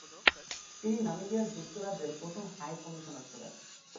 তিনি নামিবিয়ায় যুক্তরাজ্যের প্রথম হাই কমিশনার ছিলেন।